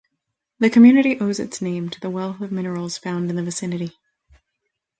The community owes its name to the wealth of minerals found in the vicinity.